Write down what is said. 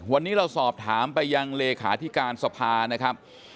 วันนี้เราสอบถามไปยังเลขาธิการสภานะครับ